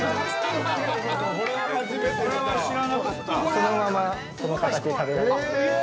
◆そのままこの形で食べられる。